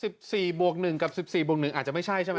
๑๔บวก๑กับ๑๔บวก๑อาจจะไม่ใช่ใช่ไหม